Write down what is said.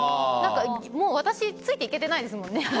私、ついていけてないですもん。